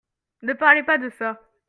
Ne parlez pas de ça.